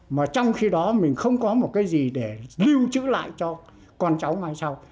mà trong khi đó mình không có một cái gì để lưu trữ lại cho con cháu mai sau